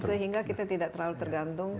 sehingga kita tidak terlalu tergantung